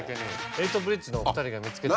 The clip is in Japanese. エイトブリッジのお２人が見つけた。